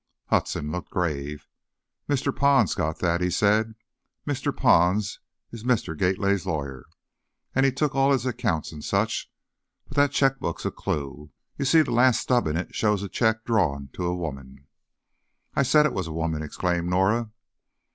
Hudson looked grave. "Mr. Pond's got that," he said; "Mr. Pond's Mr. Gately's lawyer, and he took all his accounts and such. But that check book's a clew. You see the last stub in it shows a check drawn to a woman " "I said it was a woman!" exclaimed Norah.